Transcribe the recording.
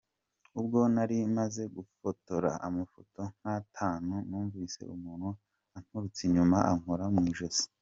Ubwo nari maze gufotora amafoto nk’atanu numvise umuntu anturutse inyuma, ankora mu ijosi.